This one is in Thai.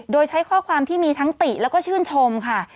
โดยใช้ข้อความที่มีทั้งติแล้วก็ชื่นชมค่ะ